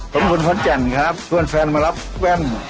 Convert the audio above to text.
ขอบคุณพนธ์แจ่นครับช่วงแฟนมารับแว่น